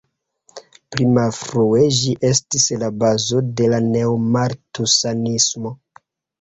Pli malfrue ĝi estis la bazo por la neomaltusanismo.